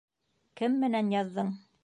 Кем менән яҙҙың?